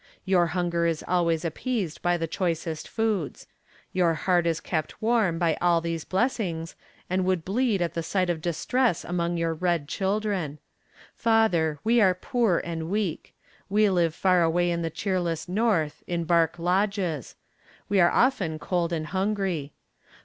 Your hunger is always appeased with the choicest foods. Your heart is kept warm by all these blessings, and would bleed at the sight of distress among your red children. Father, we are poor and weak. We live far away in the cheerless north, in bark lodges. We are often cold and hungry.